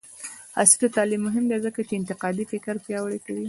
عصري تعلیم مهم دی ځکه چې انتقادي فکر پیاوړی کوي.